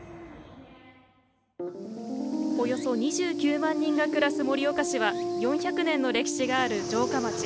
およそ２９万人が暮らす盛岡市は４００年の歴史がある城下町。